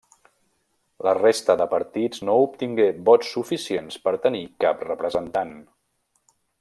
La resta de partits no obtingué vots suficients per tenir cap representat.